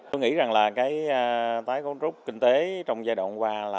tôi nghĩ rằng là cái tái cấu trúc kinh tế trong giai đoạn qua là